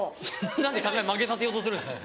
何で考え曲げさせようとするんですか。